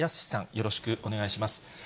よろしくお願いします。